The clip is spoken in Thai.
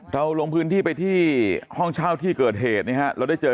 เราลงพื้นที่ไปที่ห้องเช่าที่เกิดเหตุนะฮะเราได้เจอ